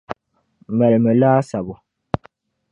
Malimi laasabu.